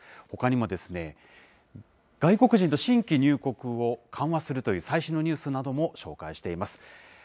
ほかにもですね、外国人の新規入国を緩和するという最新のニュースなども紹介しています。